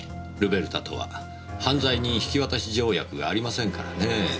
ルベルタとは犯罪人引渡条約がありませんからね。